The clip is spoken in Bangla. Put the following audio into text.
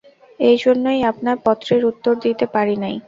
এইজন্যই আপনার পত্রের উত্তর দিতে পারি নাই।